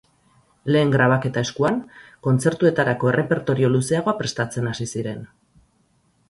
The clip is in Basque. Lehen grabaketa eskuan, kontzertuetarako errepertorio luzeagoa prestatzen hasi ziren.